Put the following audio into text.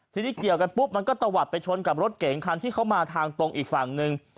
ทีนี้เกี่ยวกันปุ๊บมันก็ตะวัดไปชนกับรถเก๋งคันที่เขามาทางตรงอีกฝั่งหนึ่ง